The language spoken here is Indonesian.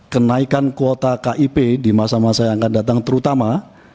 kenaikan kuota kip di masa masa yang akan datang terutama